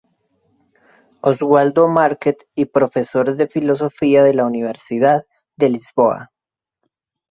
Oswaldo Market y profesores de filosofía de la Universidad de Lisboa.